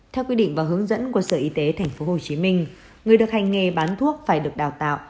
theo quy định và hướng dẫn của sở y tế tp hcm người được hành nghề bán thuốc phải được đào tạo